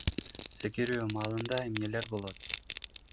Секирүү маалында эмнелер болот?